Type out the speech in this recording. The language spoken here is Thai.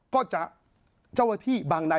ก็จะเจ้าอาทิบางนาย